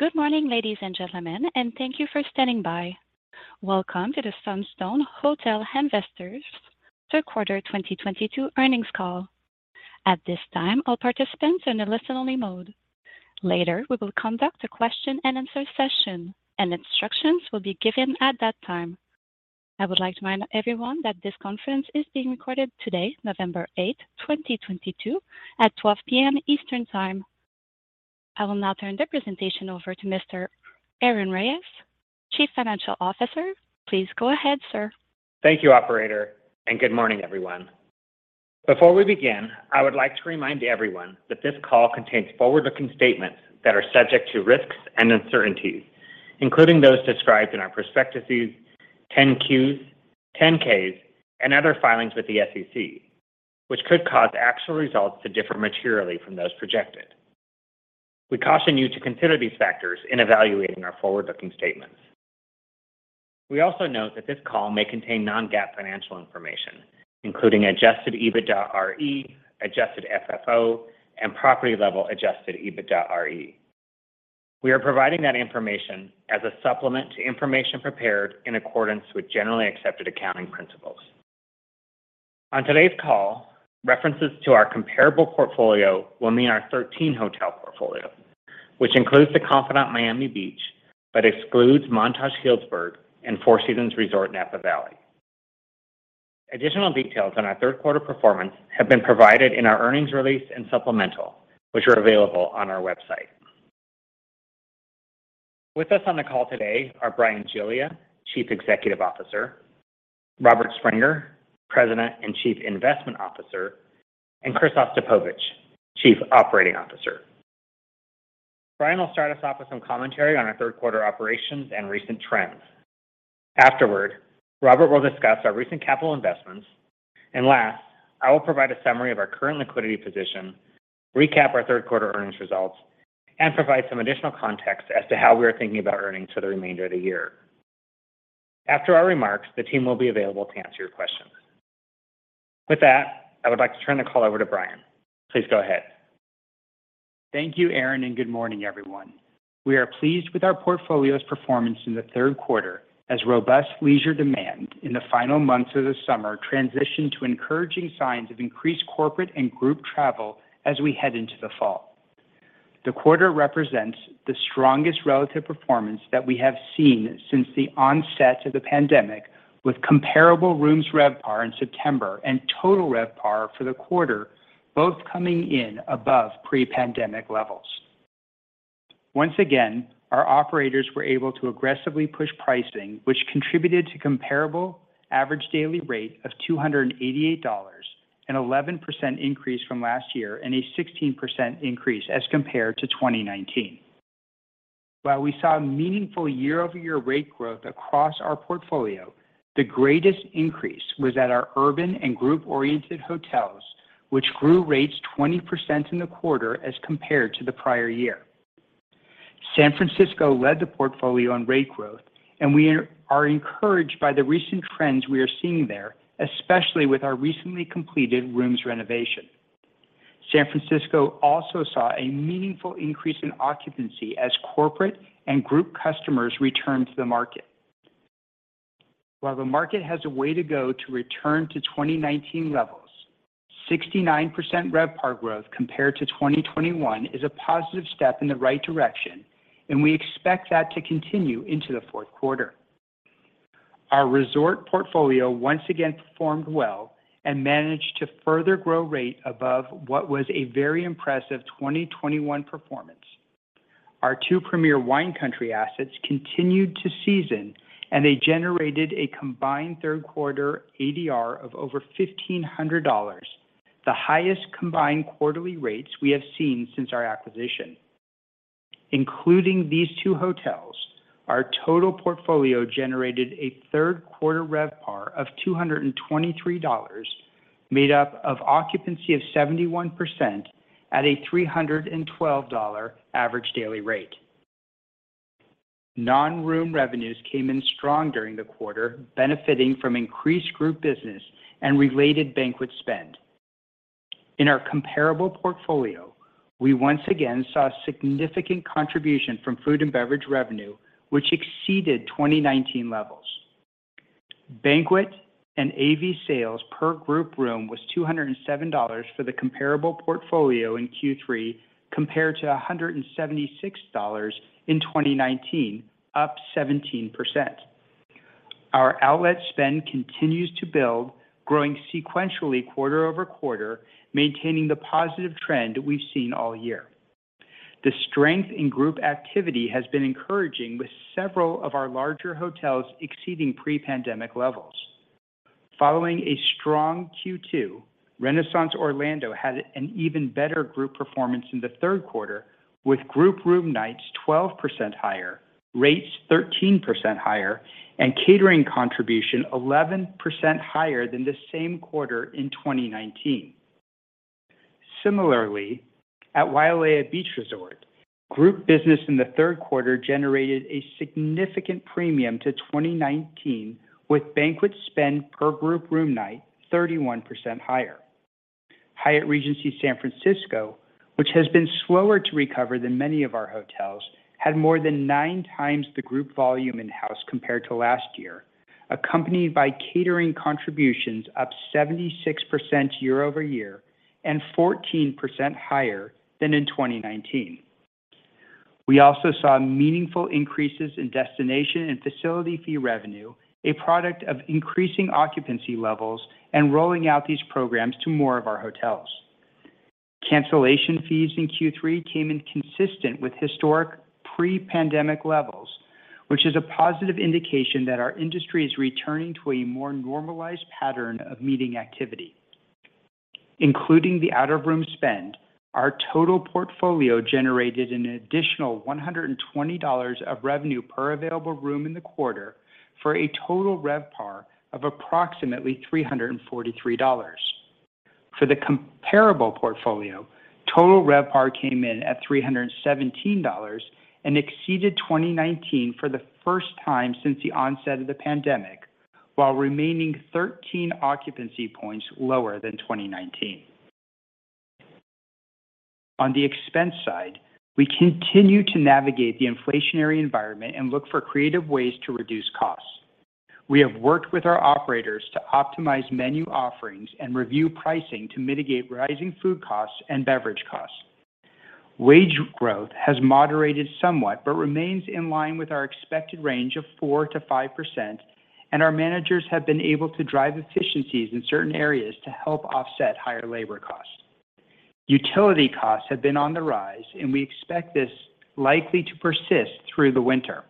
Good morning, ladies and gentlemen and thank you for standing by. Welcome to the Sunstone Hotel Investors third quarter 2022 earnings call. At this time, all participants are in a listen-only mode. Later, we will conduct a question-and-answer session, and instructions will be given at that time. I would like to remind everyone that this conference is being recorded today, November 8th, 2022, at 12:00 P.M. Eastern Time. I will now turn the presentation over to Mr. Aaron Reyes, Chief Financial Officer. Please go ahead, sir. Thank you, operator, and good morning, everyone. Before we begin, I would like to remind everyone that this call contains forward-looking statements that are subject to risks and uncertainties, including those described in our prospectuses, 10-Qs, 10-Ks, and other filings with the SEC, which could cause actual results to differ materially from those projected. We caution you to consider these factors in evaluating our forward-looking statements. We also note that this call may contain non-GAAP financial information, including adjusted EBITDAre, adjusted FFO, and property level adjusted EBITDAre. We are providing that information as a supplement to information prepared in accordance with generally accepted accounting principles. On today's call, references to our comparable portfolio will mean our 13-hotel portfolio, which includes The Confidante Miami Beach, but excludes Montage Healdsburg and Four Seasons Resort Napa Valley. Additional details on our third quarter performance have been provided in our earnings release and supplemental, which are available on our website. With us on the call today are Bryan Giglia, Chief Executive Officer, Robert Springer, President and Chief Investment Officer, and Chris Ostapovicz, Chief Operating Officer. Bryan will start us off with some commentary on our third quarter operations and recent trends. Afterward, Robert will discuss our recent capital investments. Last, I will provide a summary of our current liquidity position, recap our third quarter earnings results, and provide some additional context as to how we are thinking about earnings for the remainder of the year. After our remarks, the team will be available to answer your questions. With that, I would like to turn the call over to Bryan. Please go ahead. Thank you, Aaron, and good morning, everyone. We are pleased with our portfolio's performance in the third quarter as robust leisure demand in the final months of the summer transitioned to encouraging signs of increased corporate and group travel as we head into the fall. The quarter represents the strongest relative performance that we have seen since the onset of the pandemic, with comparable rooms RevPAR in September and total RevPAR for the quarter both coming in above pre-pandemic levels. Once again, our operators were able to aggressively push pricing, which contributed to comparable average daily rate of $288, an 11% increase from last year and a 16% increase as compared to 2019. While we saw meaningful year-over-year rate growth across our portfolio, the greatest increase was at our urban and group-oriented hotels, which grew rates 20% in the quarter as compared to the prior year. San Francisco led the portfolio on rate growth, and we are encouraged by the recent trends we are seeing there, especially with our recently completed rooms renovation. San Francisco also saw a meaningful increase in occupancy as corporate and group customers returned to the market. While the market has a way to go to return to 2019 levels, 69% RevPAR growth compared to 2021 is a positive step in the right direction, and we expect that to continue into the fourth quarter. Our resort portfolio once again performed well and managed to further grow rate above what was a very impressive 2021 performance. Our two premier wine country assets continued to season, and they generated a combined third quarter ADR of over $1,500, the highest combined quarterly rates we have seen since our acquisition. Including these two hotels, our total portfolio generated a third quarter RevPAR of $223, made up of occupancy of 71% at a $312 average daily rate. Non-room revenues came in strong during the quarter, benefiting from increased group business and related banquet spend. In our comparable portfolio, we once again saw significant contribution from food and beverage revenue, which exceeded 2019 levels. Banquet and AV sales per group room was $207 for the comparable portfolio in Q3 compared to $176 in 2019, up 17%. Our outlet spend continues to build, growing sequentially quarter over quarter, maintaining the positive trend we've seen all year. The strength in group activity has been encouraging, with several of our larger hotels exceeding pre-pandemic levels. Following a strong Q2, Renaissance Orlando had an even better group performance in the third quarter, with group room nights 12% higher, rates 13% higher, and catering contribution 11% higher than the same quarter in 2019. Similarly, at Wailea Beach Resort, group business in the third quarter generated a significant premium to 2019, with banquet spend per group room night 31% higher. Hyatt Regency San Francisco, which has been slower to recover than many of our hotels, had more than nine times the group volume in-house compared to last year, accompanied by catering contributions up 76% year-over-year and 14% higher than in 2019. We also saw meaningful increases in destination and facility fee revenue, a product of increasing occupancy levels and rolling out these programs to more of our hotels. Cancellation fees in Q3 came in consistent with historic pre-pandemic levels, which is a positive indication that our industry is returning to a more normalized pattern of meeting activity. Including the out-of-room spend, our total portfolio generated an additional $120 of revenue per available room in the quarter for a total RevPAR of approximately $343. For the comparable portfolio, total RevPAR came in at $317 and exceeded 2019 for the first time since the onset of the pandemic, while remaining 13 occupancy points lower than 2019. On the expense side, we continue to navigate the inflationary environment and look for creative ways to reduce costs. We have worked with our operators to optimize menu offerings and review pricing to mitigate rising food costs and beverage costs. Wage growth has moderated somewhat but remains in line with our expected range of 4%-5%, and our managers have been able to drive efficiencies in certain areas to help offset higher labor costs. Utility costs have been on the rise, and we expect this likely to persist through the winter.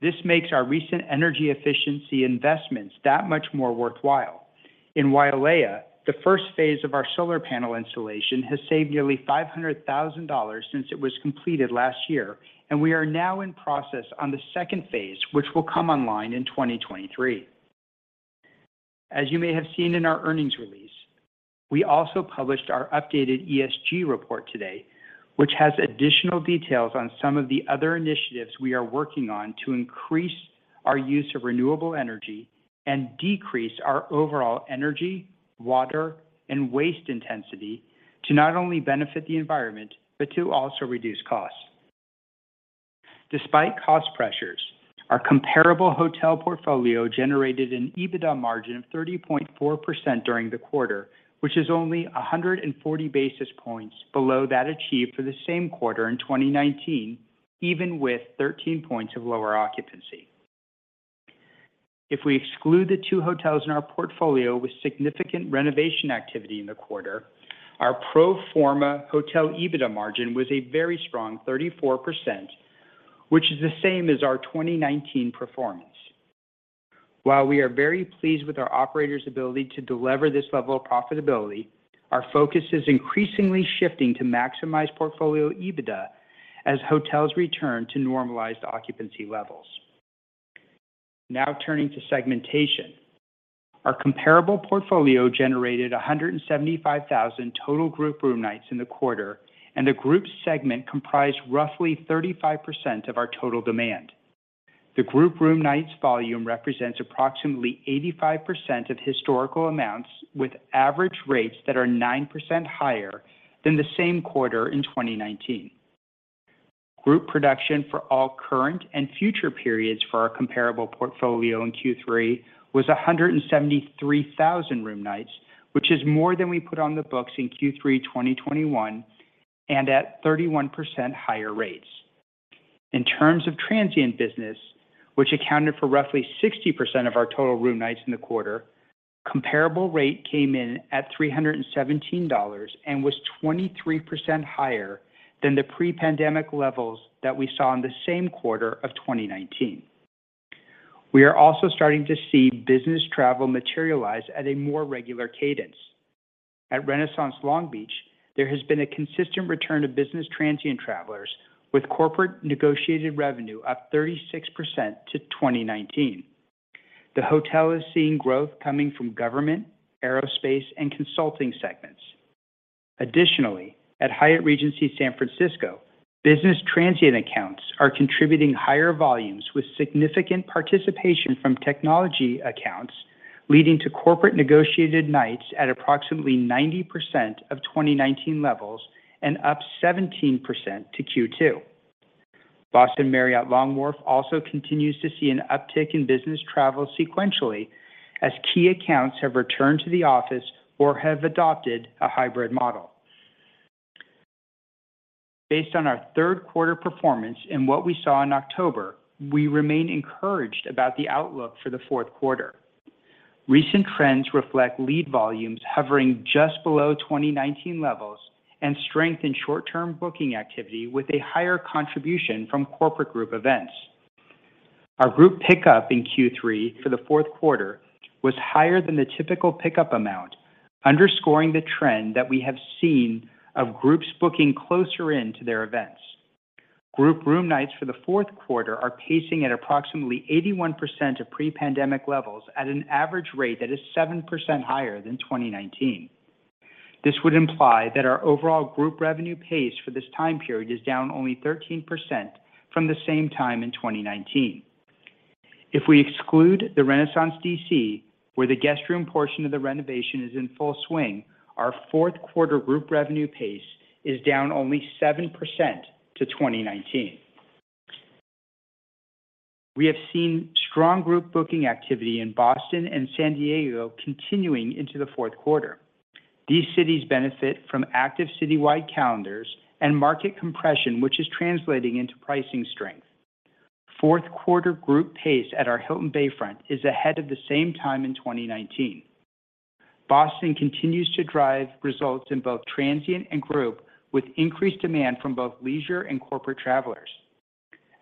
This makes our recent energy efficiency investments that much more worthwhile. In Wailea, the first phase of our solar panel installation has saved nearly $500,000 since it was completed last year, and we are now in process on the second phase, which will come online in 2023. As you may have seen in our earnings release, we also published our updated ESG report today, which has additional details on some of the other initiatives we are working on to increase our use of renewable energy and decrease our overall energy, water, and waste intensity to not only benefit the environment, but to also reduce costs. Despite cost pressures, our comparable hotel portfolio generated an EBITDA margin of 30.4% during the quarter, which is only 140 basis points below that achieved for the same quarter in 2019, even with 13 points of lower occupancy. If we exclude the two hotels in our portfolio with significant renovation activity in the quarter, our pro forma hotel EBITDA margin was a very strong 34%, which is the same as our 2019 performance. While we are very pleased with our operators' ability to deliver this level of profitability, our focus is increasingly shifting to maximize portfolio EBITDA as hotels return to normalized occupancy levels. Now turning to segmentation. Our comparable portfolio generated 175,000 total group room nights in the quarter, and the group segment comprised roughly 35% of our total demand. The group room nights volume represents approximately 85% of historical amounts, with average rates that are 9% higher than the same quarter in 2019. Group production for all current and future periods for our comparable portfolio in Q3 was 173,000 room nights, which is more than we put on the books in Q3 2021 and at 31% higher rates. In terms of transient business which accounted for roughly 60% of our total room nights in the quarter, comparable rate came in at $317 and was 23% higher than the pre-pandemic levels that we saw in the same quarter of 2019. We are also starting to see business travel materialize at a more regular cadence. At Renaissance Long Beach, there has been a consistent return of business transient travelers with corporate negotiated revenue up 36% to 2019. The hotel is seeing growth coming from government, aerospace, and consulting segments. Additionally, at Hyatt Regency San Francisco, business transient accounts are contributing higher volumes with significant participation from technology accounts, leading to corporate negotiated nights at approximately 90% of 2019 levels and up 17% to Q2. Boston Marriott Long Wharf also continues to see an uptick in business travel sequentially as key accounts have returned to the office or have adopted a hybrid model. Based on our third quarter performance and what we saw in October we remain encouraged about the outlook for the fourth quarter. Recent trends reflect lead volumes hovering just below 2019 levels and strength in short-term booking activity with a higher contribution from corporate group events. Our group pickup in Q3 for the fourth quarter was higher than the typical pickup amount, underscoring the trend that we have seen of groups booking closer in to their events. Group room nights for the fourth quarter are pacing at approximately 81% of pre-pandemic levels at an average rate that is 7% higher than 2019. This would imply that our overall group revenue pace for this time period is down only 13% from the same time in 2019. If we exclude the Renaissance Washington, D.C., where the guest room portion of the renovation is in full swing, our fourth quarter group revenue pace is down only 7% to 2019. We have seen strong group booking activity in Boston and San Diego continuing into the fourth quarter. These cities benefit from active citywide calendars and market compression, which is translating into pricing strength. Fourth quarter group pace at our Hilton San Diego Bayfront is ahead of the same time in 2019. Boston continues to drive results in both transient and group with increased demand from both leisure and corporate travelers.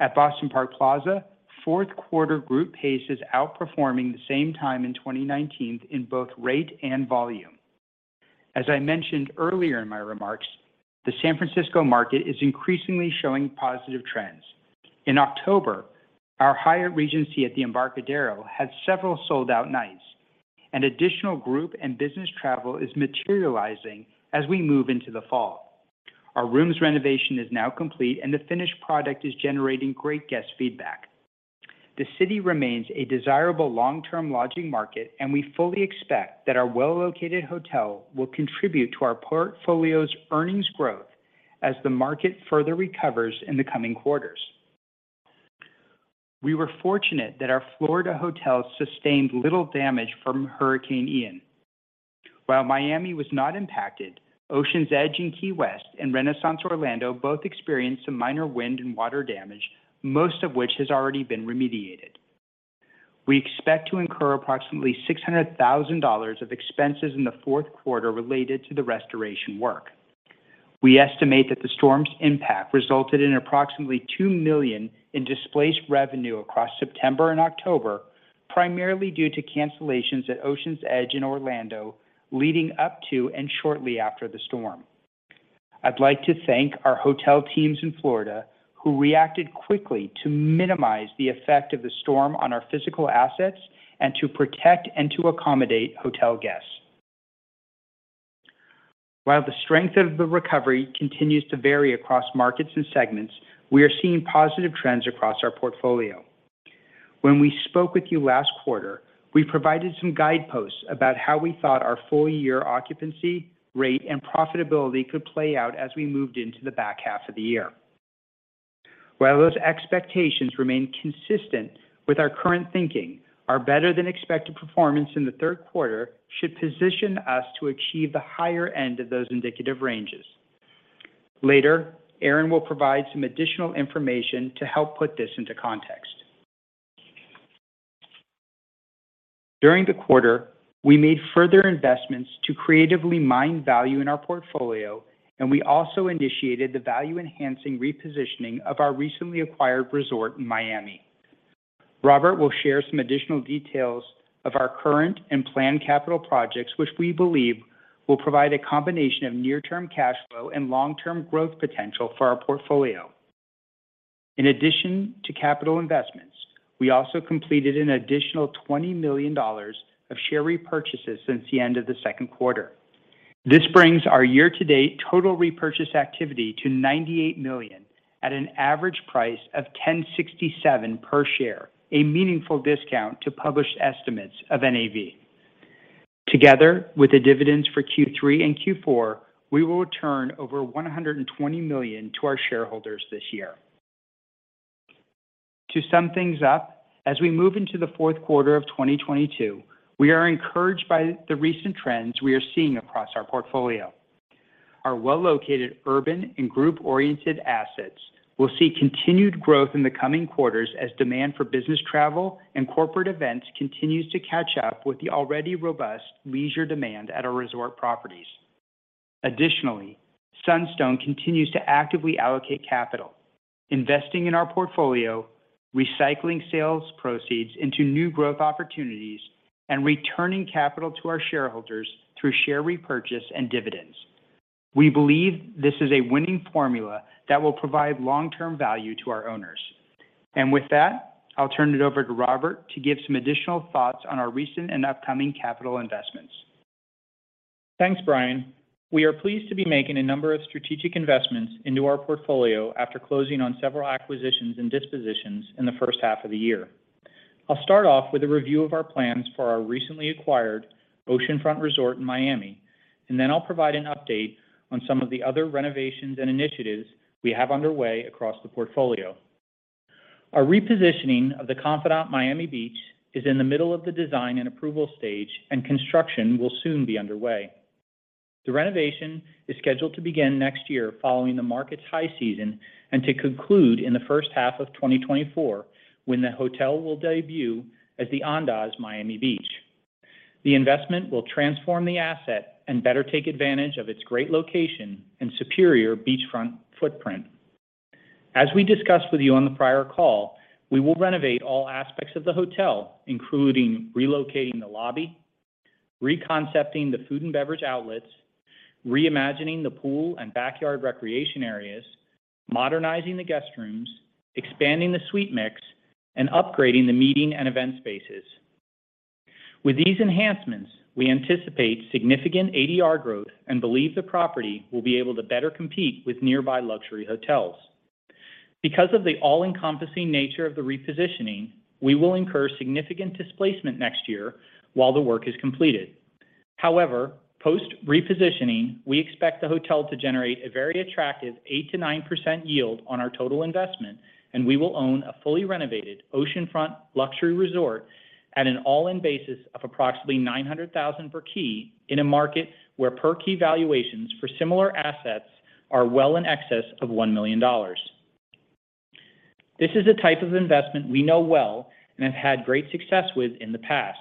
At Boston Park Plaza, fourth quarter group pace is outperforming the same time in 2019 in both rate and volume. As I mentioned earlier in my remarks, the San Francisco market is increasingly showing positive trends. In October, our Hyatt Regency San Francisco had several sold-out nights, and additional group and business travel is materializing as we move into the fall. Our rooms renovation is now complete, and the finished product is generating great guest feedback. The city remains a desirable long-term lodging market, and we fully expect that our well-located hotel will contribute to our portfolio's earnings growth as the market further recovers in the coming quarters. We were fortunate that our Florida hotels sustained little damage from Hurricane Ian. While Miami was not impacted, Oceans Edge in Key West and Renaissance Orlando both experienced some minor wind and water damage, most of which has already been remediated. We expect to incur approximately $600,000 of expenses in the fourth quarter related to the restoration work. We estimate that the storm's impact resulted in approximately $2 million in displaced revenue across September and October, primarily due to cancellations at Oceans Edge in Orlando leading up to and shortly after the storm. I'd like to thank our hotel teams in Florida who reacted quickly to minimize the effect of the storm on our physical assets and to protect and to accommodate hotel guests. While the strength of the recovery continues to vary across markets and segments, we are seeing positive trends across our portfolio. When we spoke with you last quarter, we provided some guideposts about how we thought our full year occupancy rate and profitability could play out as we moved into the back half of the year. While those expectations remain consistent with our current thinking, our better than expected performance in the third quarter should position us to achieve the higher end of those indicative ranges. Later, Aaron will provide some additional information to help put this into context. During the quarter, we made further investments to creatively mine value in our portfolio, and we also initiated the value enhancing repositioning of our recently acquired resort in Miami. Robert will share some additional details of our current and planned capital projects, which we believe will provide a combination of near term cash flow and long term growth potential for our portfolio. In addition to capital investments, we also completed an additional $20 million of share repurchases since the end of the second quarter. This brings our year-to-date total repurchase activity to $98 million at an average price of $10.67 per share, a meaningful discount to published estimates of NAV. Together with the dividends for Q3 and Q4, we will return over $120 million to our shareholders this year. To sum things up, as we move into the fourth quarter of 2022, we are encouraged by the recent trends we are seeing across our portfolio. Our well located urban and group oriented assets will see continued growth in the coming quarters as demand for business travel and corporate events continues to catch up with the already robust leisure demand at our resort properties. Additionally, Sunstone continues to actively allocate capital, investing in our portfolio, recycling sales proceeds into new growth opportunities, and returning capital to our shareholders through share repurchase and dividends. We believe this is a winning formula that will provide long-term value to our owners. With that, I'll turn it over to Robert to give some additional thoughts on our recent and upcoming capital investments. Thanks, Bryan. We are pleased to be making a number of strategic investments into our portfolio after closing on several acquisitions and dispositions in the first half of the year. I'll start off with a review of our plans for our recently acquired The Confidante Miami Beach, and then I'll provide an update on some of the other renovations and initiatives we have underway across the portfolio. Our repositioning of The Confidante Miami Beach is in the middle of the design and approval stage, and construction will soon be underway. The renovation is scheduled to begin next year following the market's high season and to conclude in the first half of 2024 when the hotel will debut as the Andaz Miami Beach. The investment will transform the asset and better take advantage of its great location and superior beachfront footprint. As we discussed with you on the prior call, we will renovate all aspects of the hotel including relocating the lobby, reconcepting the food and beverage outlets, reimagining the pool and backyard recreation areas, modernizing the guest rooms, expanding the suite mix, and upgrading the meeting and event spaces. With these enhancements, we anticipate significant ADR growth and believe the property will be able to better compete with nearby luxury hotels. Because of the all-encompassing nature of the repositioning, we will incur significant displacement next year while the work is completed. However, post-repositioning, we expect the hotel to generate a very attractive 8%-9% yield on our total investment, and we will own a fully renovated oceanfront luxury resort at an all-in basis of approximately $900,000 per key in a market where per-key valuations for similar assets are well in excess of $1 million. This is a type of investment we know well and have had great success with in the past.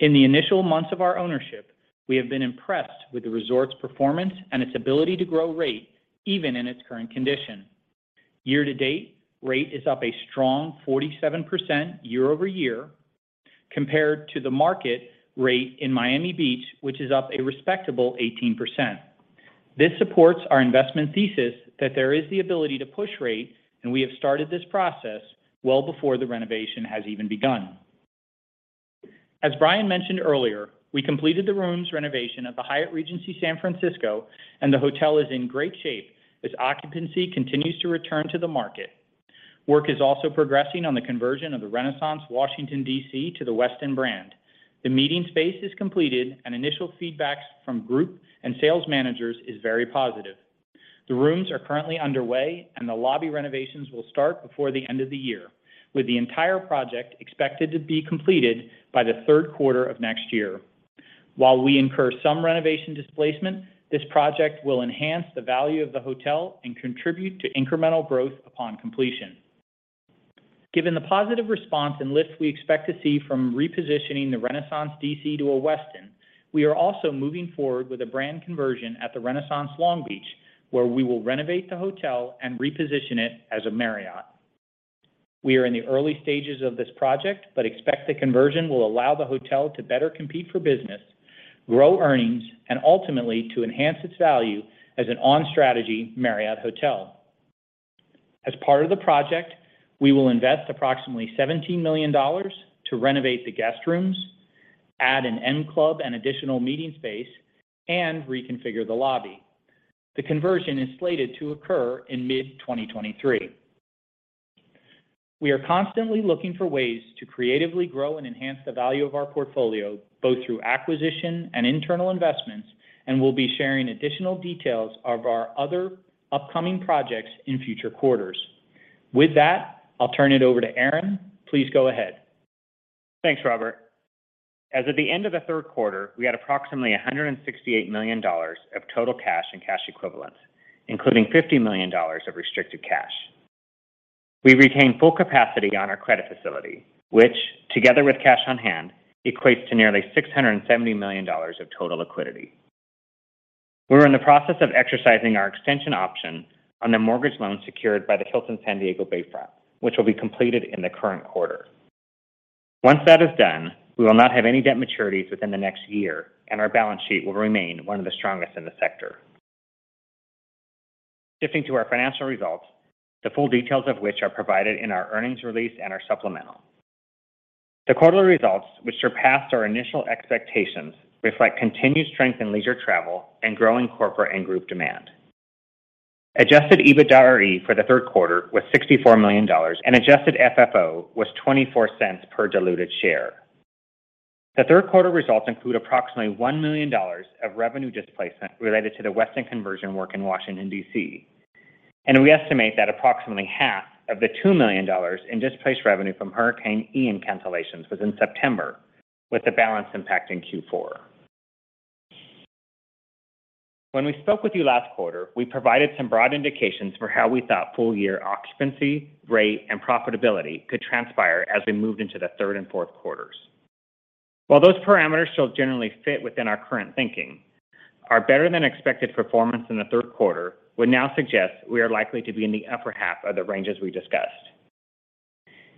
In the initial months of our ownership, we have been impressed with the resort's performance and its ability to grow rate even in its current condition. Year-to-date, rate is up a strong 47% year-over-year compared to the market rate in Miami Beach, which is up a respectable 18%. This supports our investment thesis that there is the ability to push rates, and we have started this process well before the renovation has even begun. As Bryan mentioned earlier, we completed the rooms renovation at the Hyatt Regency San Francisco, and the hotel is in great shape as occupancy continues to return to the market. Work is also progressing on the conversion of the Renaissance Washington, D.C. to the Westin brand. The meeting space is completed, and initial feedback from group and sales managers is very positive. The rooms are currently underway, and the lobby renovations will start before the end of the year, with the entire project expected to be completed by the third quarter of next year. While we incur some renovation displacement, this project will enhance the value of the hotel and contribute to incremental growth upon completion. Given the positive response and lift we expect to see from repositioning the Renaissance D.C. to a Westin, we are also moving forward with a brand conversion at the Renaissance Long Beach, where we will renovate the hotel and reposition it as a Marriott. We are in the early stages of this project but expect the conversion will allow the hotel to better compete for business, grow earnings, and ultimately to enhance its value as an on-strategy Marriott hotel. As part of the project, we will invest approximately $17 million to renovate the guest rooms, add an M Club and additional meeting space, and reconfigure the lobby. The conversion is slated to occur in mid-2023. We are constantly looking for ways to creatively grow and enhance the value of our portfolio, both through acquisition and internal investments, and we'll be sharing additional details of our other upcoming projects in future quarters. With that, I'll turn it over to Aaron. Please go ahead. Thanks, Robert. As of the end of the third quarter, we had approximately $168 million of total cash and cash equivalents, including $50 million of restricted cash. We've retained full capacity on our credit facility, which together with cash on hand, equates to nearly $670 million of total liquidity. We're in the process of exercising our extension option on the mortgage loan secured by the Hilton San Diego Bayfront, which will be completed in the current quarter. Once that is done, we will not have any debt maturities within the next year, and our balance sheet will remain one of the strongest in the sector. Shifting to our financial results, the full details of which are provided in our earnings release and our supplemental. The quarterly results, which surpassed our initial expectations, reflect continued strength in leisure travel and growing corporate and group demand. Adjusted EBITDAre for the third quarter was $64 million, and adjusted FFO was $0.24 per diluted share. The third quarter results include approximately $1 million of revenue displacement related to the Westin conversion work in Washington, D.C. We estimate that approximately half of the $2 million in displaced revenue from Hurricane Ian cancellations was in September, with the balance impacting Q4. When we spoke with you last quarter, we provided some broad indications for how we thought full year occupancy, rate, and profitability could transpire as we moved into the third and fourth quarters. While those parameters still generally fit within our current thinking, our better-than-expected performance in the third quarter would now suggest we are likely to be in the upper half of the ranges we discussed.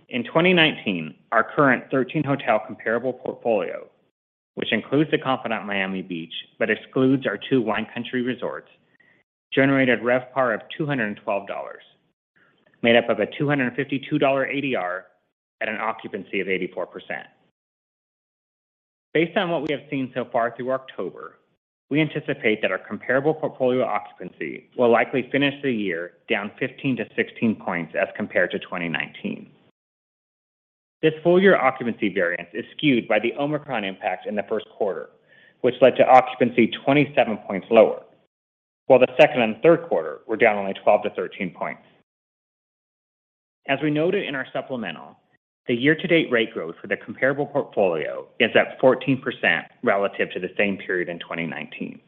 In 2019, our current 13-hotel comparable portfolio, which includes The Confidante Miami Beach but excludes our two Wine Country resorts, generated RevPAR of $212, made up of a $252 ADR at an occupancy of 84%. Based on what we have seen so far through October, we anticipate that our comparable portfolio occupancy will likely finish the year down 15-16 points as compared to 2019. This full-year occupancy variance is skewed by the Omicron impact in the first quarter, which led to occupancy 27 points lower, while the second and third quarter were down only 12-13 points. As we noted in our supplemental, the year-to-date rate growth for the comparable portfolio is at 14% relative to the same period in 2019.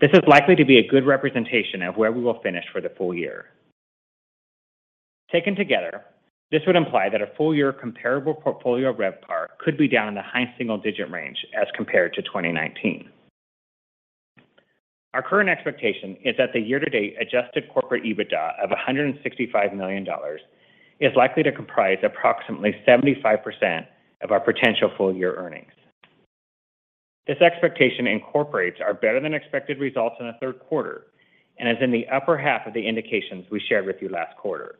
This is likely to be a good representation of where we will finish for the full year. Taken together, this would imply that a full-year comparable portfolio RevPAR could be down in the high single-digit range as compared to 2019. Our current expectation is that the year-to-date adjusted corporate EBITDA of $165 million is likely to comprise approximately 75% of our potential full-year earnings. This expectation incorporates our better than expected results in the third quarter and is in the upper half of the indications we shared with you last quarter.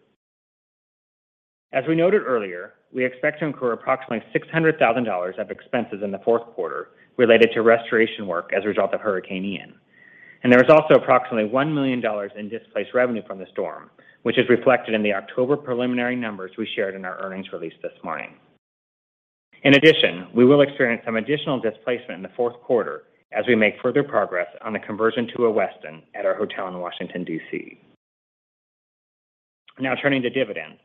As we noted earlier, we expect to incur approximately $600,000 of expenses in the fourth quarter related to restoration work as a result of Hurricane Ian. There is also approximately $1 million in displaced revenue from the storm, which is reflected in the October preliminary numbers we shared in our earnings release this morning. In addition, we will experience some additional displacement in the fourth quarter as we make further progress on the conversion to a Westin at our hotel in Washington, D.C. Now turning to dividend.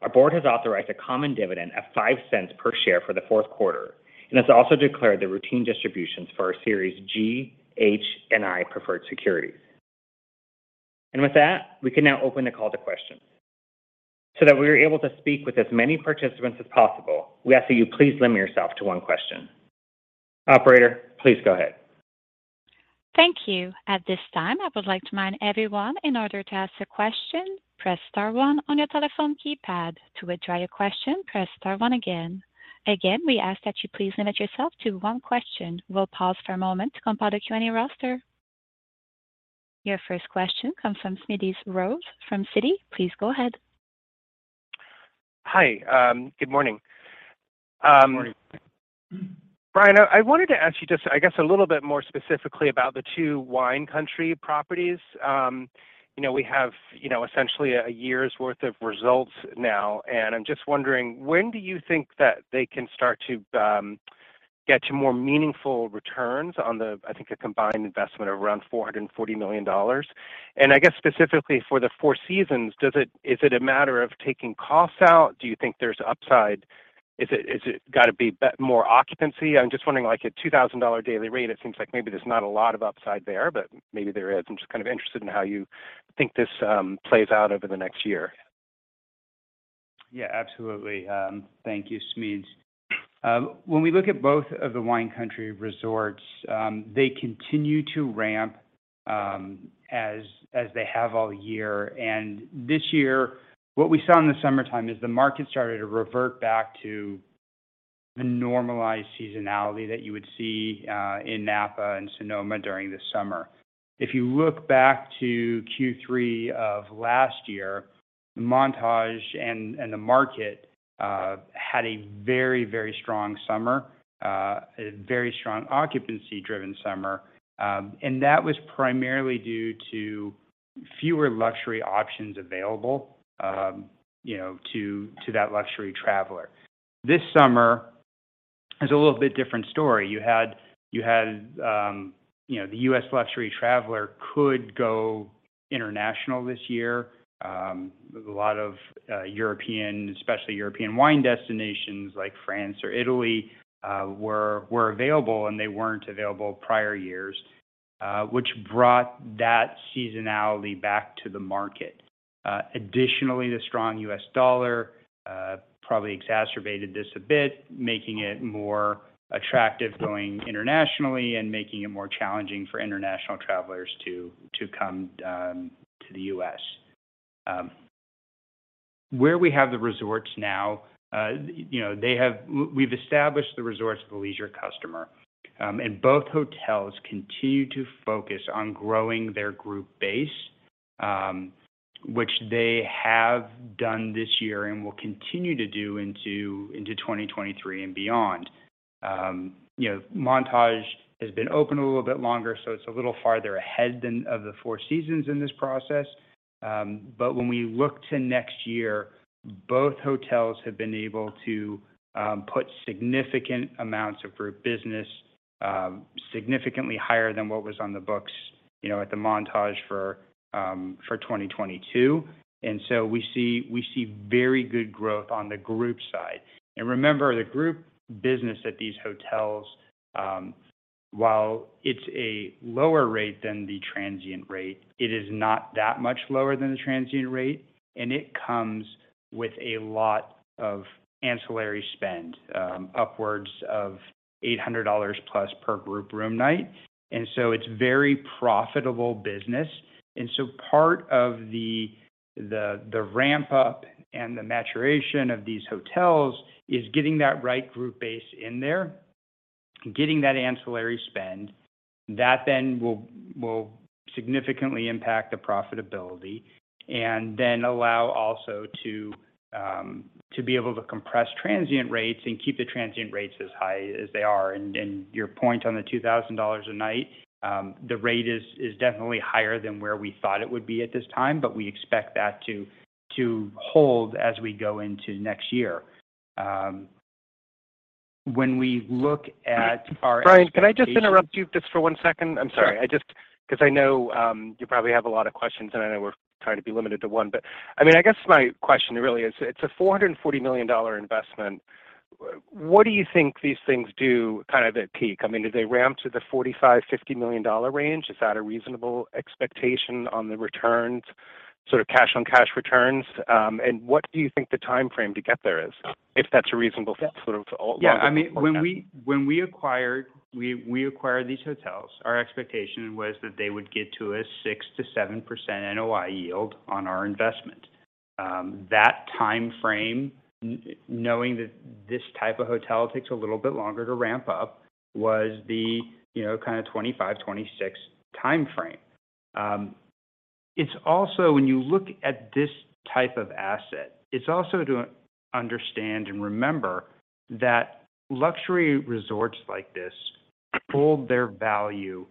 Our board has authorized a common dividend of $0.05 per share for the fourth quarter, and has also declared the routine distributions for our Series G, H, and I preferred securities. With that, we can now open the call to questions. That we are able to speak with as many participants as possible, we ask that you please limit yourself to one question. Operator, please go ahead. Thank you. At this time, I would like to remind everyone in order to ask a question, press star one on your telephone keypad. To withdraw your question, press star one again. Again, we ask that you please limit yourself to one question. We'll pause for a moment to compile the Q&A roster. Your first question comes from Smedes Rose from Citi. Please go ahead. Hi. Good morning. Good morning. Bryan, I wanted to ask you just, I guess, a little bit more specifically about the two wine country properties. You know, we have, you know, essentially a year's worth of results now, and I'm just wondering, when do you think that they can start to get to more meaningful returns on the, I think, a combined investment of around $440 million? I guess specifically for the Four Seasons, is it a matter of taking costs out? Do you think there's upside? Is it gotta be more occupancy? I'm just wondering, like at $2,000 daily rate, it seems like maybe there's not a lot of upside there, but maybe there is. I'm just kind of interested in how you think this plays out over the next year. Yeah, absolutely. Thank you, Smedes. When we look at both of the wine country resorts, they continue to ramp, as they have all year. This year, what we saw in the summertime is the market started to revert back to the normalized seasonality that you would see in Napa and Sonoma during the summer. If you look back to Q3 of last year, Montage and the market had a very strong summer, a very strong occupancy driven summer. That was primarily due to fewer luxury options available, you know, to that luxury traveler. This summer is a little bit different story. You had, you know, the U.S. luxury traveler could go international this year. A lot of European, especially European wine destinations like France or Italy, were available, and they weren't available prior years, which brought that seasonality back to the market. Additionally, the strong U.S. dollar probably exacerbated this a bit, making it more attractive going internationally and making it more challenging for international travelers to come to the U.S. Where we have the resorts now, you know, we've established the resorts for the leisure customer. Both hotels continue to focus on growing their group base, which they have done this year and will continue to do into 2023 and beyond. You know, Montage has been open a little bit longer, so it's a little farther ahead than of the Four Seasons in this process. When we look to next year, both hotels have been able to put significant amounts of group business, significantly higher than what was on the books, you know, at the Montage for 2022. We see very good growth on the group side. Remember, the group business at these hotels, while it's a lower rate than the transient rate, it is not that much lower than the transient rate, and it comes with a lot of ancillary spend, upwards of $800+ per group room night. It's very profitable business. Part of the ramp-up and the maturation of these hotels is getting that right group base in there, getting that ancillary spend. That then will significantly impact the profitability and then allow also to be able to compress transient rates and keep the transient rates as high as they are. Your point on the $2,000 a night, the rate is definitely higher than where we thought it would be at this time, but we expect that to hold as we go into next year. When we look at our expectations. Bryan, can I just interrupt you just for one second? I'm sorry. I just 'cause I know you probably have a lot of questions, and I know we're trying to be limited to one. I mean, I guess my question really is, it's a $440 million investment. What do you think these things do kind of at peak? I mean, do they ramp to the $45 million-$50 million range? Is that a reasonable expectation on the returns, sort of cash on cash returns? And what do you think the timeframe to get there is, if that's a reasonable sort of long-term forecast? Yeah. I mean, when we acquired these hotels, our expectation was that they would get to a 6%-7% NOI yield on our investment. That timeframe, knowing that this type of hotel takes a little bit longer to ramp up, was the 2025, 2026 timeframe. It's also when you look at this type of asset, it's also to understand and remember that luxury resorts like this hold their value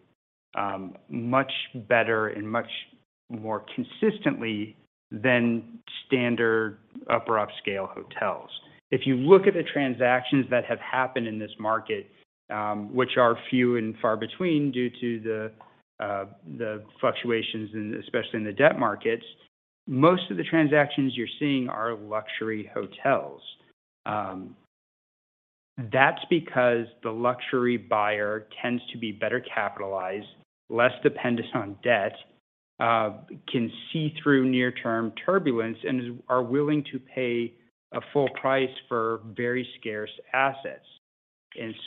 much better and much more consistently than standard upper upscale hotels. If you look at the transactions that have happened in this market, which are few and far between due to the fluctuations in, especially in the debt markets, most of the transactions you're seeing are luxury hotels. That's because the luxury buyer tends to be better capitalized, less dependent on debt, can see through near-term turbulence, and are willing to pay a full price for very scarce assets.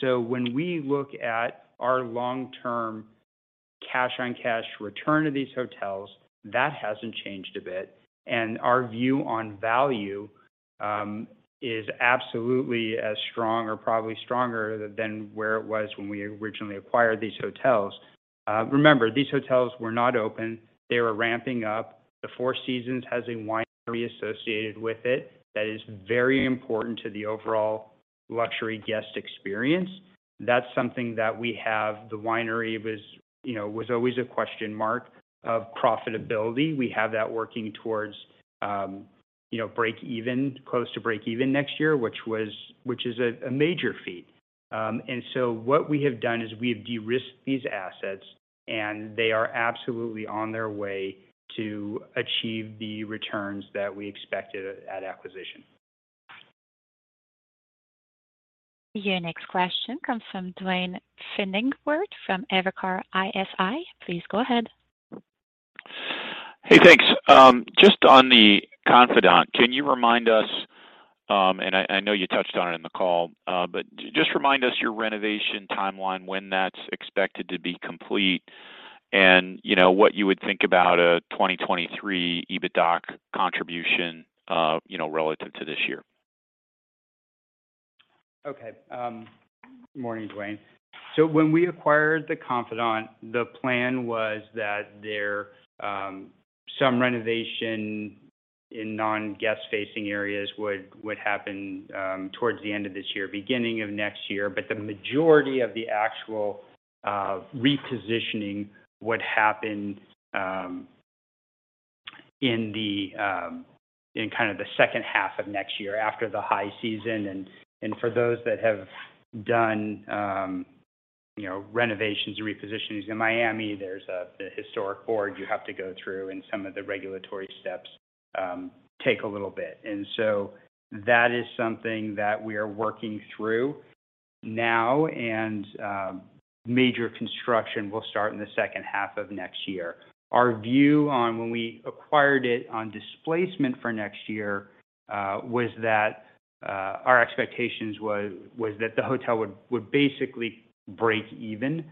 When we look at our long-term cash-on-cash return of these hotels, that hasn't changed a bit. Our view on value is absolutely as strong or probably stronger than where it was when we originally acquired these hotels. Remember, these hotels were not open. They were ramping up. The Four Seasons has a winery associated with it that is very important to the overall luxury guest experience. That's something that we have. The winery was, you know, was always a question mark of profitability. We have that working towards, you know, break even, close to break even next year, which is a major feat. What we have done is we have de-risked these assets, and they are absolutely on their way to achieve the returns that we expected at acquisition. Your next question comes from Duane Pfennigwerth from Evercore ISI. Please go ahead. Hey, thanks. Just on The Confidante, can you remind us, I know you touched on it in the call, your renovation timeline, when that's expected to be complete, and, you know, what you would think about a 2023 EBITDA contribution, you know, relative to this year. Okay. Good morning, Duane. When we acquired The Confidante, the plan was that there, some renovation in non-guest-facing areas would happen, towards the end of this year, beginning of next year. The majority of the actual, repositioning would happen, in kind of the second half of next year after the high season. For those that have done, you know, renovations or repositionings in Miami, there's a, the historic board you have to go through, and some of the regulatory steps, take a little bit. That is something that we are working through now, and, major construction will start in the second half of next year. Our view on when we acquired it on displacement for next year was that our expectations was that the hotel would basically break even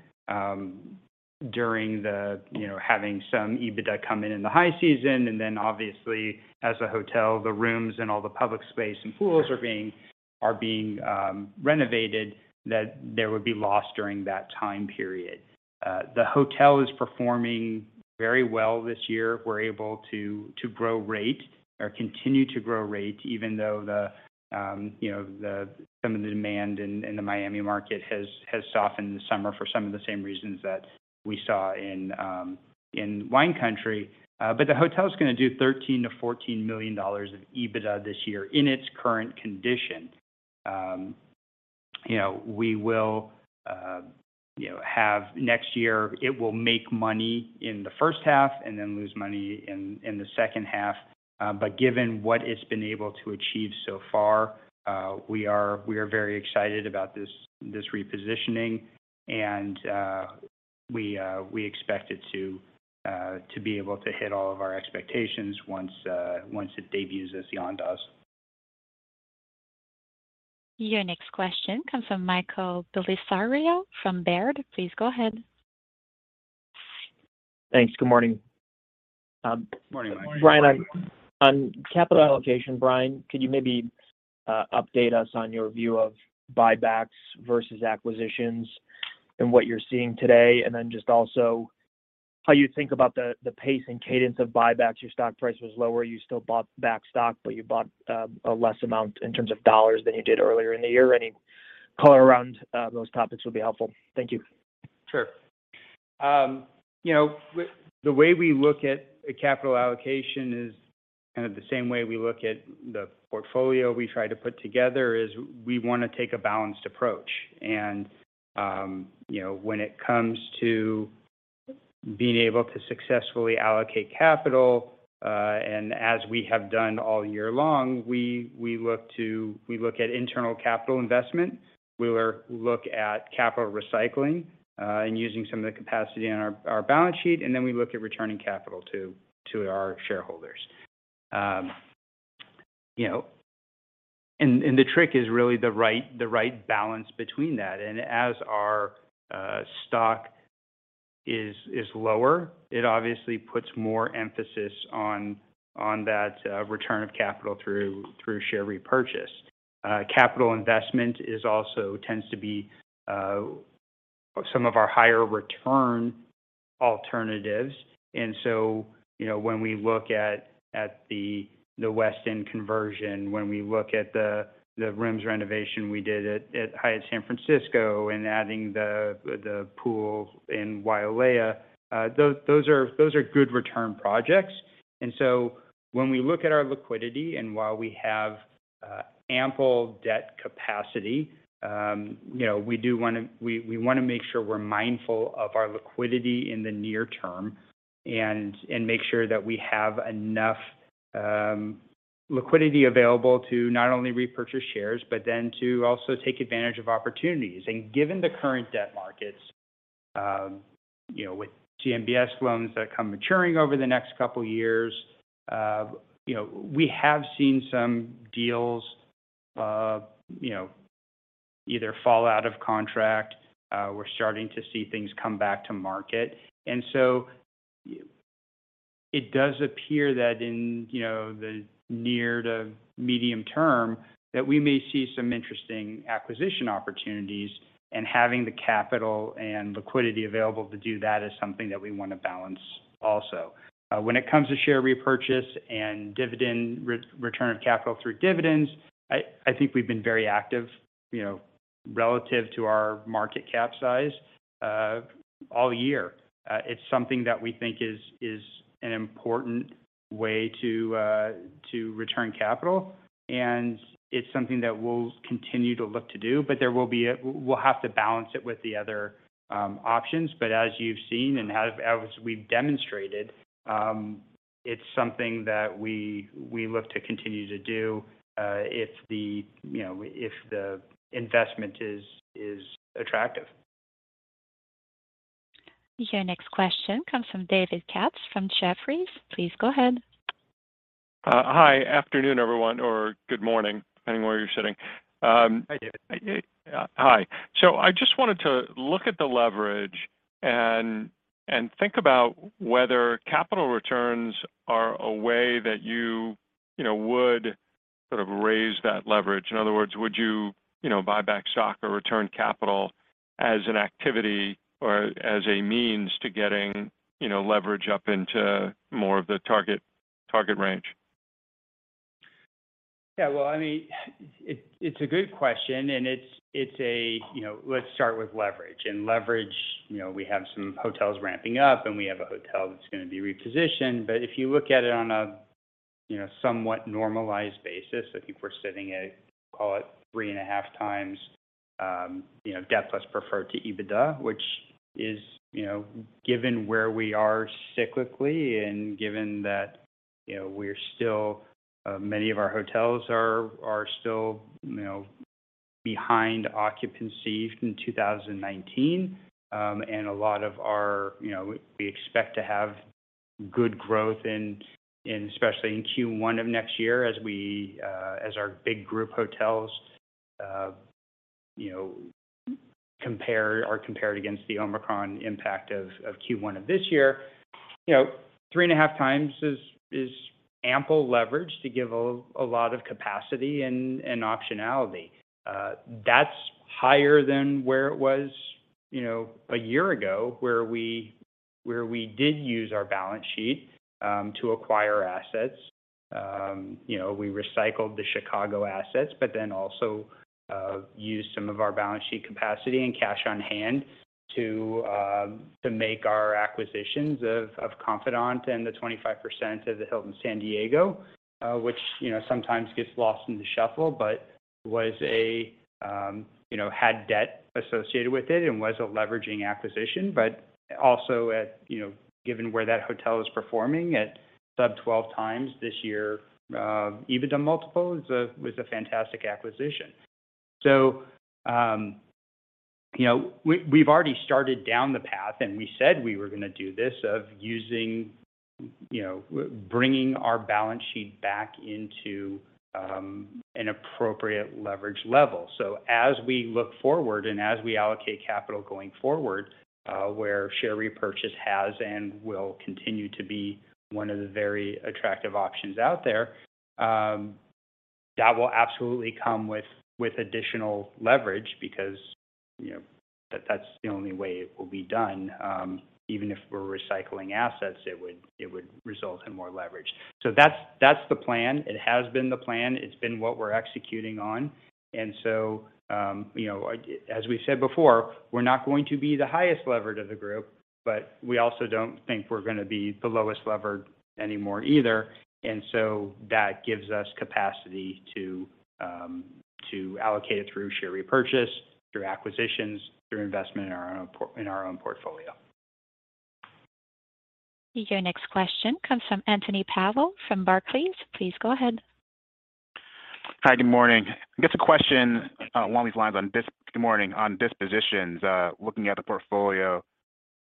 during the, you know, having some EBITDA come in in the high season. Then obviously as a hotel, the rooms and all the public space and pools are being renovated, that there would be loss during that time period. The hotel is performing very well this year. We're able to grow rate or continue to grow rate even though the, you know, the some of the demand in the Miami market has softened this summer for some of the same reasons that we saw in wine country. The hotel's gonna do $13 million-$14 million of EBITDA this year in its current condition. Next year, it will make money in the first half and then lose money in the second half. Given what it's been able to achieve so far, we are very excited about this repositioning, and we expect it to be able to hit all of our expectations once it debuts as Andaz. Your next question comes from Michael Bellisario from Baird. Please go ahead. Thanks. Good morning. Morning, Michael. Bryan, on capital allocation, Bryan, could you maybe update us on your view of buybacks versus acquisitions and what you're seeing today? Then just also how you think about the pace and cadence of buybacks. Your stock price was lower. You still bought back stock, but you bought a less amount in terms of dollars than you did earlier in the year. Any color around those topics would be helpful. Thank you. Sure. You know, the way we look at a capital allocation is kind of the same way we look at the portfolio we try to put together, is we wanna take a balanced approach. You know, when it comes to being able to successfully allocate capital, and as we have done all year long, we look at internal capital investment. We look at capital recycling, and using some of the capacity on our balance sheet, and then we look at returning capital to our shareholders. You know, the trick is really the right balance between that. As our stock is lower, it obviously puts more emphasis on that return of capital through share repurchase. Capital investment also tends to be some of our higher return alternatives. You know, when we look at the Westin conversion, when we look at the rooms renovation we did at Hyatt San Francisco and adding the pool in Wailea, those are good return projects. When we look at our liquidity and while we have ample debt capacity, you know, we wanna make sure we're mindful of our liquidity in the near term and make sure that we have enough liquidity available to not only repurchase shares, but then to also take advantage of opportunities. Given the current debt markets, you know, with CMBS loans that come maturing over the next couple years, you know, we have seen some deals, you know, either fall out of contract, we're starting to see things come back to market. It does appear that in, you know, the near to medium term, that we may see some interesting acquisition opportunities, and having the capital and liquidity available to do that is something that we wanna balance also. When it comes to share repurchase and dividend return of capital through dividends, I think we've been very active, you know, relative to our market cap size, all year. It's something that we think is an important way to return capital, and it's something that we'll continue to look to do. We'll have to balance it with the other options. As you've seen and as we've demonstrated, it's something that we look to continue to do, if, you know, the investment is attractive. Your next question comes from David Katz from Jefferies. Please go ahead. Hi. Afternoon, everyone, or good morning, depending where you're sitting. Hi, David. Hi. I just wanted to look at the leverage and think about whether capital returns are a way that you know, would sort of raise that leverage. In other words, would you know, buy back stock or return capital as an activity or as a means to getting, you know, leverage up into more of the target range? Yeah. Well, I mean, it's a good question, and it's a, you know. Let's start with leverage. Leverage, you know, we have some hotels ramping up, and we have a hotel that's gonna be repositioned. If you look at it on a, you know, somewhat normalized basis, I think we're sitting at, call it 3.5x, you know, debt plus preferred to EBITDA, which is, you know, given where we are cyclically and given that, you know, we're still, many of our hotels are still, you know, behind occupancy from 2019, and a lot of our, you know, we expect to have good growth in, especially in Q1 of next year as we, as our big group hotels, you know, compare or compared against the Omicron impact of Q1 of this year. You know, 3.5x is ample leverage to give a lot of capacity and optionality. That's higher than where it was, you know, a year ago, where we did use our balance sheet to acquire assets. You know, we recycled the Chicago assets, but then also used some of our balance sheet capacity and cash on hand to make our acquisitions of Confidante and the 25% of the Hilton San Diego Bayfront, you know, which sometimes gets lost in the shuffle, but had debt associated with it and was a leveraging acquisition. Also, given where that hotel is performing at sub 12x this year, EBITDA multiple was a fantastic acquisition. You know, we've already started down the path, and we said we were gonna do this, of using, you know, bringing our balance sheet back into an appropriate leverage level. As we look forward and as we allocate capital going forward, where share repurchase has and will continue to be one of the very attractive options out there, that will absolutely come with additional leverage because, you know, that's the only way it will be done. Even if we're recycling assets, it would result in more leverage. That's the plan. It has been the plan. It's been what we're executing on. As we said before, we're not going to be the highest levered of the group, but we also don't think we're gonna be the lowest levered anymore either. That gives us capacity to allocate it through share repurchase, through acquisitions, through investment in our own portfolio. Your next question comes from Anthony Powell from Barclays. Please go ahead. Hi, good morning. I guess a question along these lines on dispositions. Good morning. On dispositions, looking at the portfolio.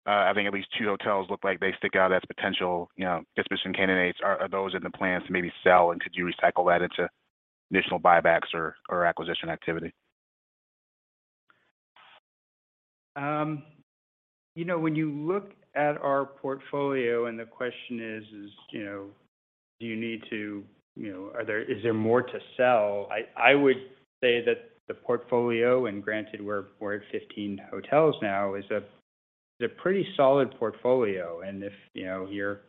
I think at least two hotels look like they stick out as potential, you know, disposition candidates. Are those in the plans to maybe sell, and could you recycle that into additional buybacks or acquisition activity? You know, when you look at our portfolio and the question is, you know, do you need to, you know, is there more to sell? I would say that the portfolio, and granted we're at 15 hotels now, is a pretty solid portfolio. If you know, you're,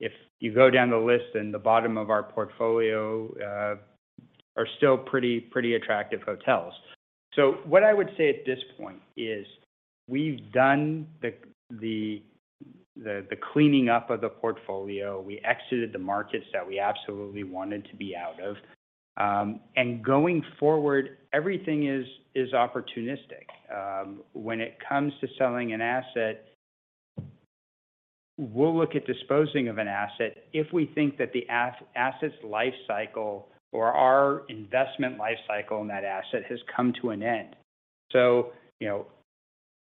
if you go down the list in the bottom of our portfolio, are still pretty attractive hotels. What I would say at this poinst is we've done the cleaning up of the portfolio. We exited the markets that we absolutely wanted to be out of. Going forward, everything is opportunistic. When it comes to selling an asset, we'll look at disposing of an asset if we think that the asset's life cycle or our investment life cycle in that asset has come to an end. You know,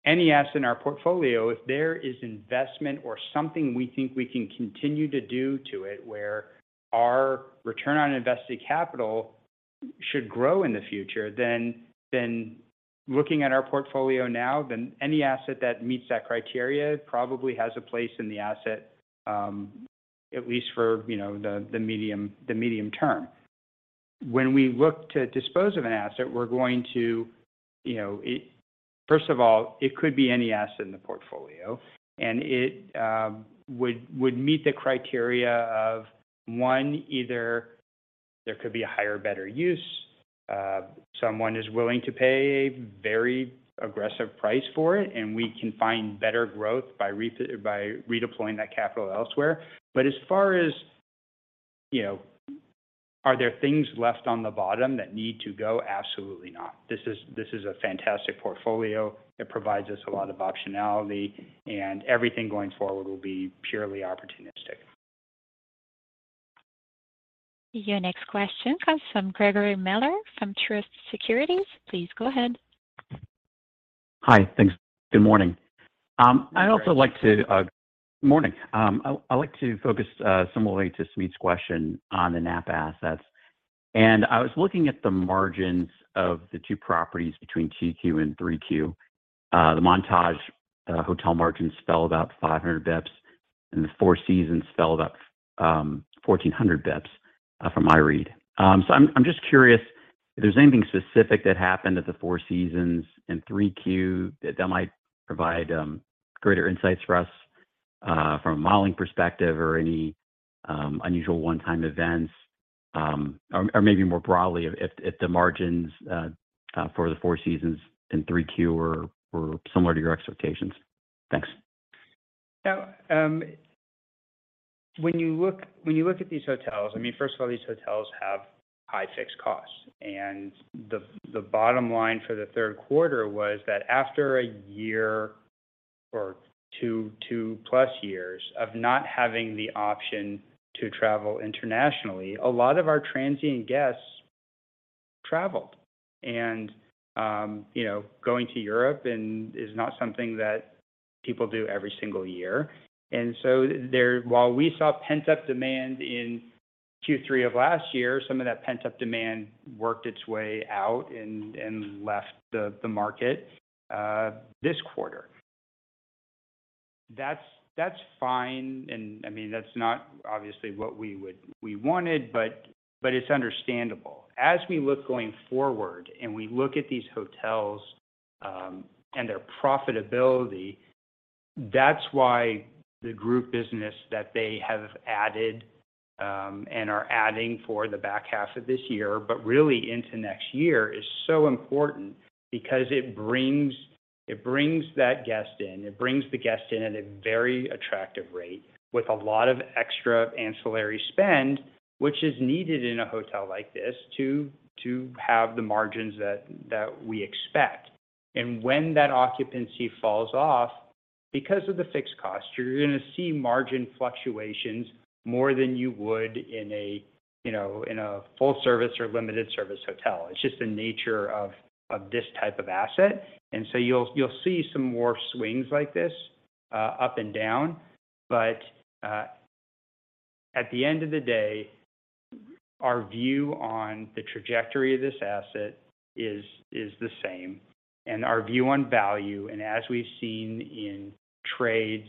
any asset in our portfolio, if there is investment or something we think we can continue to do to it, where our return on invested capital should grow in the future, then looking at our portfolio now, then any asset that meets that criteria probably has a place in the asset, at least for, you know, the medium term. When we look to dispose of an asset, we're going to, you know. First of all, it could be any asset in the portfolio, and it would meet the criteria of one, either there could be a higher better use, someone is willing to pay a very aggressive price for it, and we can find better growth by redeploying that capital elsewhere. As far as, you know, are there things left on the bottom that need to go? Absolutely not. This is a fantastic portfolio. It provides us a lot of optionality, and everything going forward will be purely opportunistic. Your next question comes from Gregory Miller from Truist Securities. Please go ahead. Hi. Thanks. Good morning. Good morning. Good morning. I'd like to focus similarly to Smedes's question on the Napa assets. I was looking at the margins of the two properties between Q2 and Q3. The Montage hotel margins fell about 500 basis points, and the Four Seasons fell about 1,400 basis points from my read. So I'm just curious if there's anything specific that happened at the Four Seasons in Q3 that might provide greater insights for us from a modeling perspective or any unusual one-time events? Or maybe more broadly if the margins for the Four Seasons in Q3 were similar to your expectations. Thanks. Now, when you look at these hotels, I mean, first of all, these hotels have high fixed costs. The bottom line for the third quarter was that after a year or two plus years of not having the option to travel internationally, a lot of our transient guests traveled. you know, going to Europe is not something that people do every single year. While we saw pent-up demand in Q3 of last year, some of that pent-up demand worked its way out and left the market this quarter. That's fine, and I mean, that's not obviously what we wanted, but it's understandable. As we look going forward and we look at these hotels and their profitability, that's why the group business that they have added and are adding for the back half of this year, but really into next year, is so important because it brings that guest in. It brings the guest in at a very attractive rate with a lot of extra ancillary spend, which is needed in a hotel like this to have the margins that we expect. When that occupancy falls off, because of the fixed cost, you're gonna see margin fluctuations more than you would in a, you know, in a full service or limited service hotel. It's just the nature of this type of asset. You'll see some more swings like this, up and down. At the end of the day, our view on the trajectory of this asset is the same. Our view on value, and as we've seen in trades,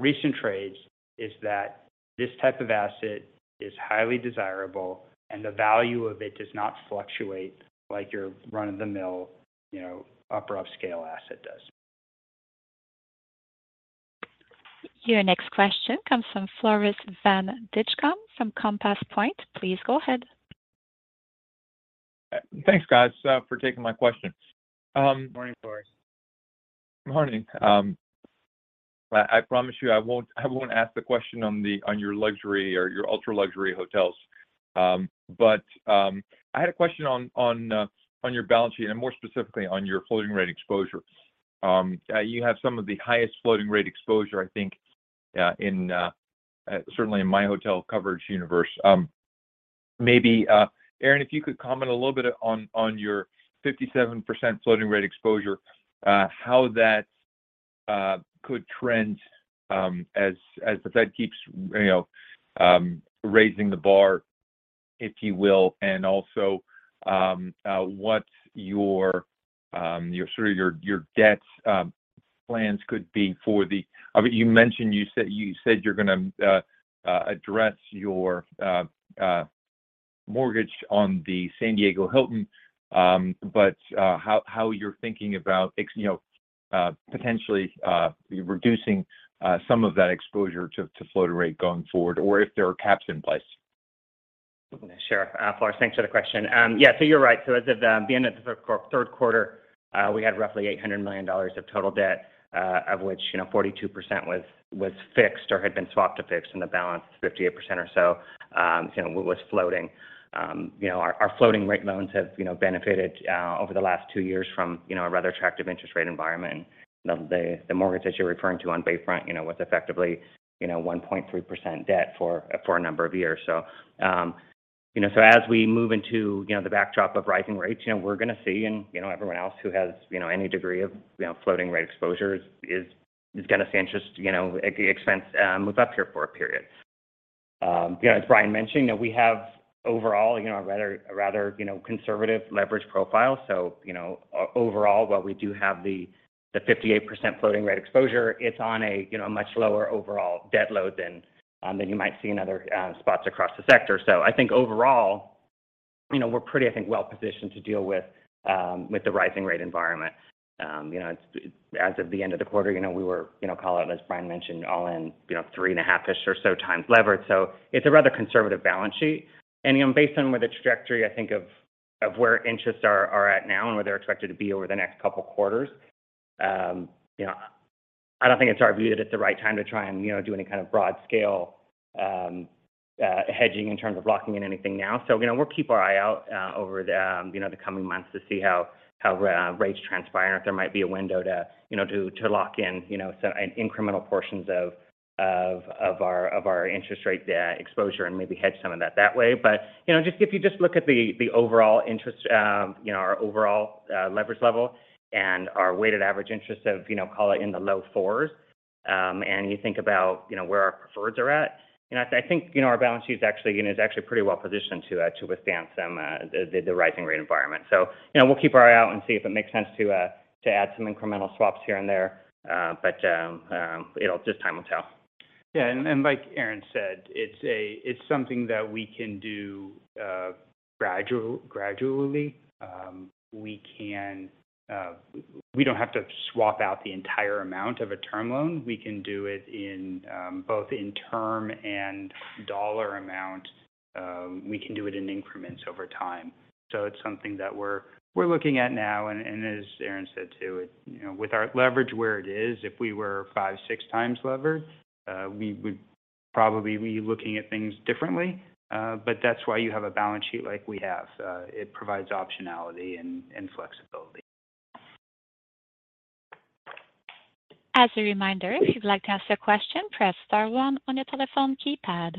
recent trades, is that this type of asset is highly desirable, and the value of it does not fluctuate like your run-of-the-mill, you know, upper upscale asset does. Your next question comes from Floris van Dijkum from Compass Point. Please go ahead. Thanks, guys, for taking my question. Good morning, Floris. Morning. I promise you I won't ask the question on your luxury or your ultra-luxury hotels. I had a question on your balance sheet and more specifically on your floating rate exposure. You have some of the highest floating rate exposure, I think, certainly in my hotel coverage universe. Maybe, Aaron, if you could comment a little bit on your 57% floating rate exposure, how that could trend as the Fed keeps you know raising the bar, if you will, and also what your sort of debt plans could be. You mentioned you said you're gonna address your mortgage on the Hilton San Diego Bayfront but how you're thinking about you know potentially reducing some of that exposure to floating rate going forward, or if there are caps in place. Sure, Floris, thanks for the question. Yeah, you're right. As of the end of the third quarter, we had roughly $800 million of total debt, of which, you know, 42% was fixed or had been swapped to fixed and the balance 58% or so, you know, was floating. You know, our floating rate loans have, you know, benefited over the last two years from, you know, a rather attractive interest rate environment. The mortgage that you're referring to on Bayfront, you know, was effectively, you know, 1.3% debt for a number of years. As we move into the backdrop of rising rates, you know, we're gonna see, and you know, everyone else who has you know any degree of floating rate exposure is gonna see interest expense move up here for a period. You know, as Bryan mentioned, you know, we have overall a rather conservative leverage profile. Overall, while we do have the 58% floating rate exposure, it's on a you know much lower overall debt load than you might see in other spots across the sector. I think overall, you know, we're pretty, I think, well positioned to deal with the rising rate environment. You know, as of the end of the quarter, you know, we were, you know, call it, as Bryan mentioned, all in, you know, 3.5x-ish or so times levered. It's a rather conservative balance sheet. You know, based on the trajectory, I think of where interest rates are at now and where they're expected to be over the next couple quarters, you know, I don't think it's our view that it's the right time to try and, you know, do any kind of broad scale hedging in terms of locking in anything now. You know, we'll keep our eye out over the coming months to see how rates transpire and if there might be a window to lock in some incremental portions of our interest rate exposure and maybe hedge some of that way. But you know, just if you just look at the overall interest, our overall leverage level and our weighted average interest of, you know, call it in the low 4xs, and you think about, you know, where our preferreds are at, you know, I think, you know, our balance sheet is actually pretty well positioned to withstand some the rising rate environment. You know, we'll keep our eye out and see if it makes sense to add some incremental swaps here and there. It'll just time will tell. Yeah. Like Aaron said, it's something that we can do gradually. We don't have to swap out the entire amount of a term loan. We can do it in both in term and dollar amount. We can do it in increments over time. It's something that we're looking at now. As Aaron said too, you know, with our leverage where it is, if we were 5x-6x levered, we would probably be looking at things differently. That's why you have a balance sheet like we have. It provides optionality and flexibility. As a reminder, if you'd like to ask a question, press star one on your telephone keypad.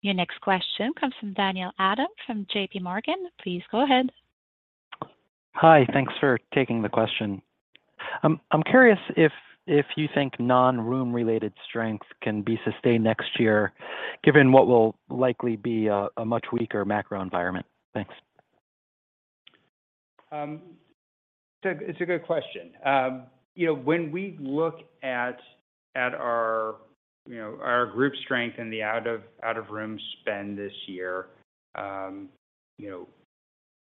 Your next question comes from Daniel Adam from JPMorgan. Please go ahead. Hi. Thanks for taking the question. I'm curious if you think non-room related strengths can be sustained next year, given what will likely be a much weaker macro environment. Thanks. It's a good question. You know, when we look at our group strength and the out of room spend this year, you know,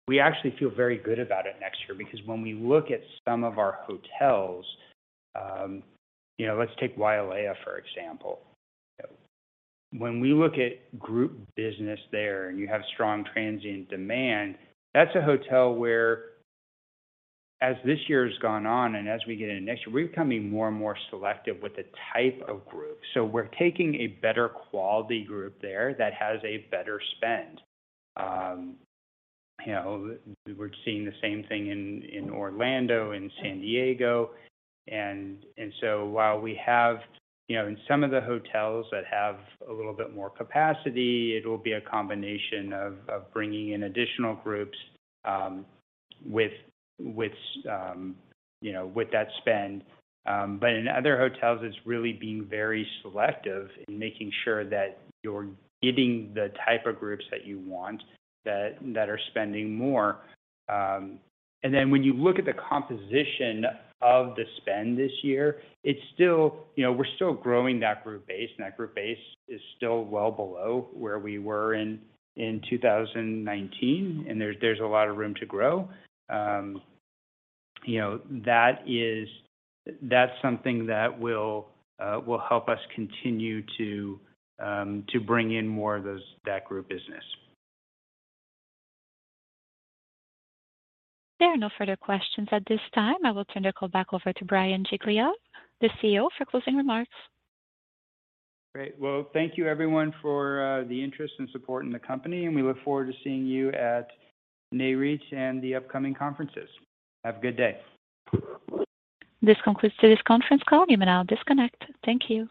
we actually feel very good about it next year because when we look at some of our hotels, you know, let's take Wailea, for example. When we look at group business there and you have strong transient demand, that's a hotel where as this year has gone on and as we get into next year, we're becoming more and more selective with the type of group. So we're taking a better quality group there that has a better spend. You know, we're seeing the same thing in Orlando, in San Diego. While we have. You know, in some of the hotels that have a little bit more capacity, it'll be a combination of bringing in additional groups, with you know, with that spend. In other hotels, it's really being very selective in making sure that you're getting the type of groups that you want that are spending more. When you look at the composition of the spend this year, it's still. You know, we're still growing that group base, and that group base is still well below where we were in 2019, and there's a lot of room to grow. You know, that's something that will help us continue to bring in more of that group business. There are no further questions at this time. I will turn the call back over to Bryan Giglia, the CEO, for closing remarks. Great. Well, thank you everyone for the interest and support in the company, and we look forward to seeing you at Nareit and the upcoming conferences. Have a good day. This concludes today's conference call. You may now disconnect. Thank you.